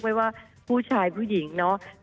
ไม่ว่าผู้ชายผู้หญิงเนาะ